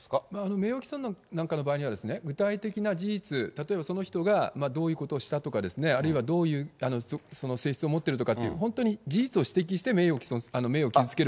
名誉毀損なんかの場合は、具体的な事実、例えばその人がどういうことをしたとかですね、あるいはどういう性質を持っているっていう、本当に事実を指摘して名誉を傷つける